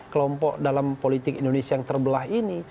kelompok dalam politik indonesia yang terbelah ini